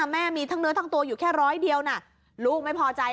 แม่มีทั้งเนื้อทั้งตัวอยู่แค่ร้อยเดียวนะลูกไม่พอใจ